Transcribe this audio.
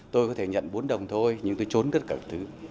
tôi có thể nhận bốn đồng thôi nhưng tôi trốn rất cả thứ